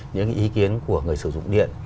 những ý kiến của người sử dụng điện